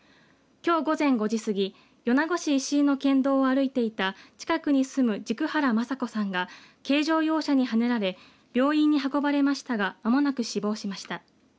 きょう午前５時過ぎ米子市石井の県道を歩いていた近くに住む竺原政子さんが軽乗用車にはねられ病院に運ばれましたが間もなく死亡しました。